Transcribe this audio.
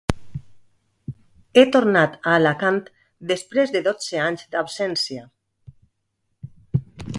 He tornat a Alacant després de dotze anys d'absència.